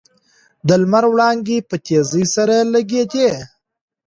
د لمر وړانګې په تېزۍ سره لګېدې.